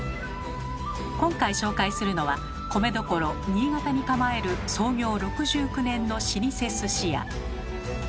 今回紹介するのは米どころ新潟に構える創業６９年の老舗鮨屋。